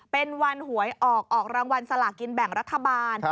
เป็นวันหวยออกออกรางวัลสลากินแบ่งรัฐบาล